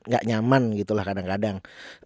gak nyaman gitu lah kadang kadang